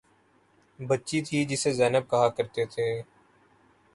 بچی تھی جسے زینب کہا کرتے تھے